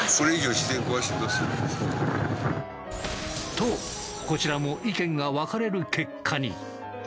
とこちらも意見が分かれる結果に。